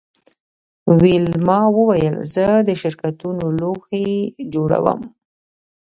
ویلما وویل زه د شرکتونو لوحې جوړوم